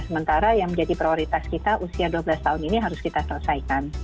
sementara yang menjadi prioritas kita usia dua belas tahun ini harus kita selesaikan